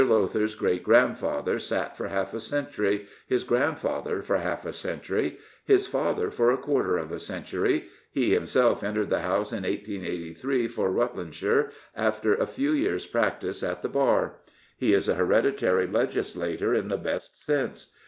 Lowther's great grandfather sat for half a century, his grandfather for half a century, his father for a quarter of a century; he himself entered the House in 1883 for Rutlandshire, after a few years' practice at the Bar. He is a hereditary legislator in the best sense.